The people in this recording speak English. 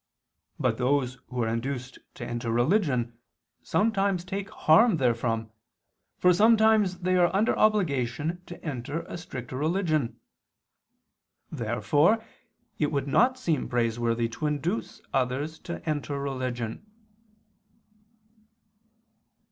But those who are induced to enter religion, sometimes take harm therefrom, for sometimes they are under obligation to enter a stricter religion. Therefore it would not seem praiseworthy to induce others to enter religion.